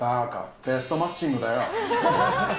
ベストマッチングだよ。